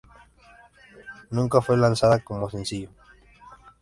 Nunca fue lanzada como sencillo.